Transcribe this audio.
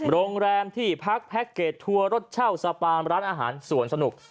โรงแรมที่พักแพ็คเกจทัวร์รถเช่าสปามร้านอาหารสวนสนุก